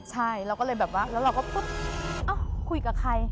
ใช่เราก็เลยแบบว่าแล้วเราก็ปุ๊บเอ้าคุยกับใคร